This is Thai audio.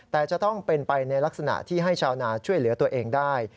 แต่จะต้องเป็นไปในลักษณะที่ให้ชาวนาช่วยเหลือตัวเองได้